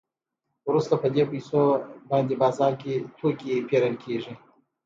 وروسته په دې پیسو باندې بازار کې توکي پېرل کېږي